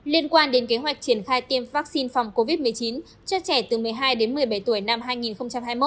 liên quan đến kế hoạch triển khai tiêm vaccine phòng covid một mươi chín cho trẻ từ một mươi hai đến một mươi bảy tuổi năm hai nghìn hai mươi một hai nghìn hai mươi hai